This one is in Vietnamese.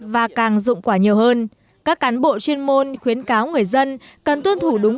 và càng dụng quả nhiều hơn các cán bộ chuyên môn khuyến cáo người dân cần tuân thủ đúng